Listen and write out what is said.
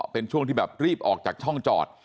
เป็นช่วงที่แบบรีบออกจากช่องจอด